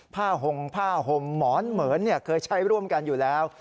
ห่มผ้าห่มหมอนเหมือนเคยใช้ร่วมกันอยู่แล้ว